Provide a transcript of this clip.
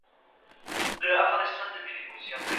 ده د ټولنې د ثبات لپاره کوښښ کړی و.